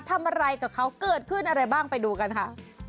ทำอะไรกับเขาเกิดขึ้นอะไรบ้างไปดูกันค่ะ